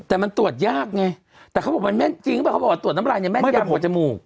แต่มันตรวจยากไงแต่เขาบอกมันแม่นจริงป่ะเขาบอกว่าตรวจน้ำลายยังแม่นอย่างหัวจมูก